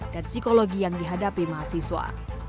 dan psikologi yang dihadapi mahasiswa